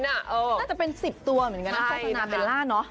น่าจะเป็น๑๐ตัวเหมือนกันนะโฆษณาเบลล่าเนอะ